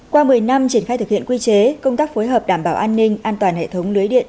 qua một mươi năm triển khai thực hiện quy chế công tác phối hợp đảm bảo an ninh an toàn hệ thống lưới điện